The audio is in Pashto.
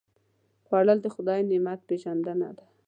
خوړل د خدای نعمت پېژندنه ده